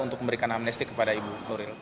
untuk memberikan amnesti kepada ibu nuril